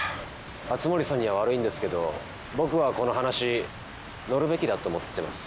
熱護さんには悪いんですけど僕はこの話乗るべきだと思ってます。